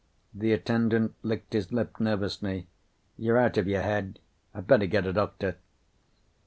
The attendant licked his lip nervously. "You're out of your head. I better get a doctor."